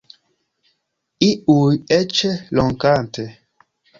Iuj eĉ ronkante.